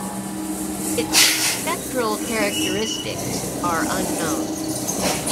Its spectral characteristics are unknown.